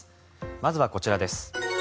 まずはこちらです。